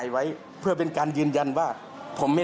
แล้วก็เรียกเพื่อนมาอีก๓ลำ